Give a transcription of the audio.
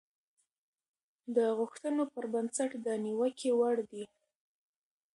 د غوښتنو پر بنسټ د نيوکې وړ دي.